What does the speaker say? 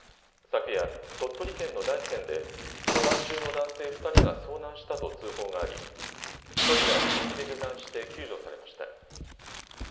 昨夜、鳥取県の大山で登山中の男性２人が遭難したと通報があり１人は自力で下山して救助されました。